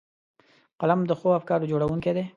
قلم د ښو افکارو جوړوونکی دی